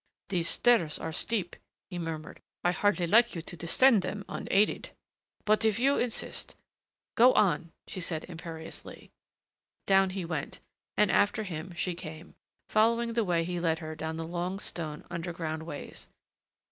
"These stairs are steep," he murmured. "I hardly like you to descend them unaided, but if you insist " "Go on," she said imperiously. Down he went, and after him she came, following the way he led her down the long stone underground ways.